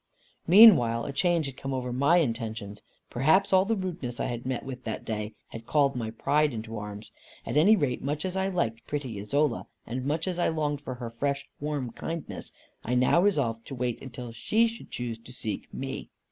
Meanwhile, a change had come over my intentions. Perhaps all the rudeness I had met with that day had called my pride into arms. At any rate, much as I liked pretty Isola, and much as I longed for her fresh warm kindness, I now resolved to wait until she should choose to seek me.